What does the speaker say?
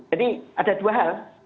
jadi ada dua hal